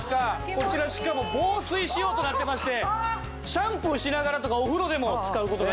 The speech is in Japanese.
こちらしかも防水仕様となってましてシャンプーしながらとかお風呂でも使う事ができます。